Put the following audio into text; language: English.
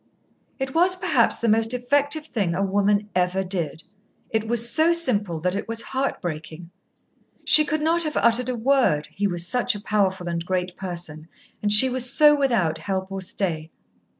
It was perhaps the most effective thing a woman ever did. It was so simple that it was heartbreaking. She could not have uttered a word, he was such a powerful and great person, and she was so without help or stay.